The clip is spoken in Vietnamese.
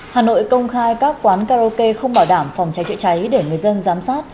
hà nội công khai các quán karaoke không bảo đảm phòng cháy chữa cháy để người dân giám sát